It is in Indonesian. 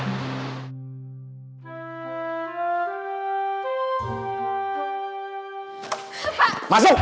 dan dia merestui kita